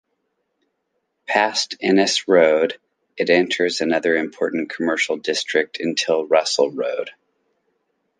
Past Innes Road, it enters another important commercial district until Russell Road.